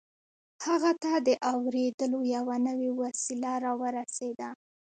هغه ته د اورېدلو يوه نوې وسيله را ورسېده.